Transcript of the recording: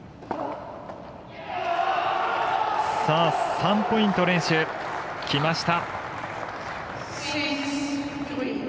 ３ポイント連取きました！